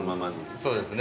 そうですね。